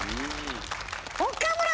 岡村！